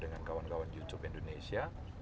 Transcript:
dengan kawan kawan youtube indonesia